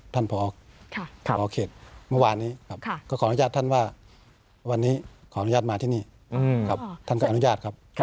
ท่านพอเขตเมื่อวานนี้ครับก็ขออนุญาตท่านว่าวันนี้ขออนุญาตมาที่นี่ครับท่านก็อนุญาตครับ